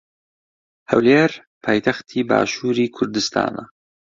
ھەولێر پایتەختی باشووری کوردستانە.